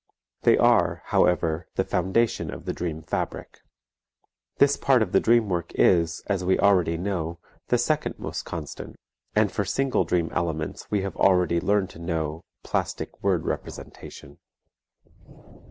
They are, however, the foundation of the dream fabric; this part of the dream work is, as we already know, the second most constant, and for single dream elements we have already learned to know "plastic word representation."